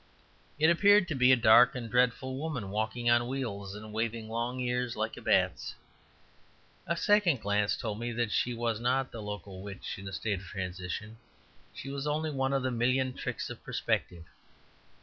It appeared to be a dark and dreadful woman walking on wheels and waving long ears like a bat's. A second glance told me that she was not the local witch in a state of transition; she was only one of the million tricks of perspective.